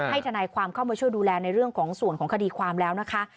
ทนายความเข้ามาช่วยดูแลในเรื่องของส่วนของคดีความแล้วนะคะ